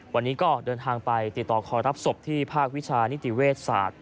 วันนี้ก็เดินทางไปติดต่อคอยรับศพที่ภาควิชานิติเวชศาสตร์